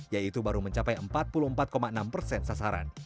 yaitu baru mencapai empat puluh empat enam sasaran